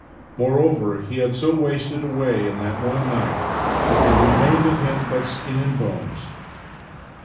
Moreover, he had so wasted away in that one night that there remained of him but skin and bones.